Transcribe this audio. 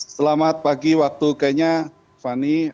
selamat pagi waktu kenya fani